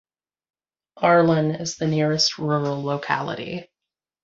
Arlan is the nearest rural locality.